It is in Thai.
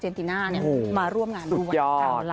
เลยในนิดนึงดีเยอะ